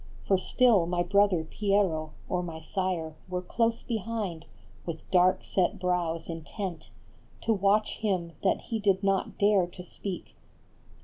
For still my brother Piero or my sire Were close behind, with dark set brows intent To watch him that he did not dare to speak.